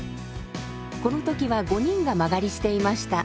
この時は５人が間借りしていました。